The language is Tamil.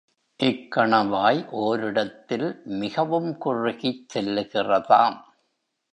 இக்கணவாய் ஓரிடத்தில் மிகவும் குறுகிச் செல்லுகிறதாம்.